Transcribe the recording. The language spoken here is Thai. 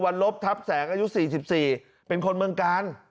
ลบทับแสงอายุ๔๔เป็นคนเมืองกาล